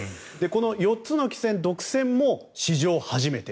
この４つの棋戦独占も史上初めて。